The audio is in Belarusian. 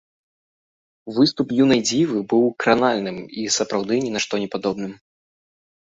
Выступ юнай дзівы быў кранальным, і сапраўды ні на што не падобным.